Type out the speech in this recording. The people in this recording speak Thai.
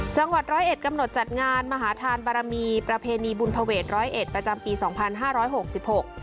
จังหวัดร้อยเอ็ดกำหนดจัดงานมหาธานบารมีประเพณีบุญภเวทร้อยเอ็ดประจำปีสองพันห้าร้อยหกสิบหก